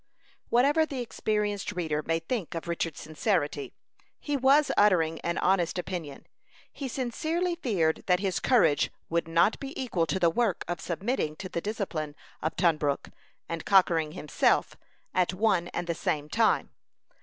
Whatever the experienced reader may think of Richard's sincerity, he was uttering an honest opinion. He sincerely feared that his courage would not be equal to the work of submitting to the discipline of Tunbrook, and conquering himself, at one and the same time.